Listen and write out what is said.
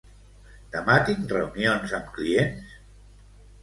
Demà tinc reunions amb clients?